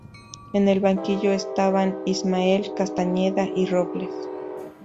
En el banquillo estaban: Ismael, Castañeda y Robles.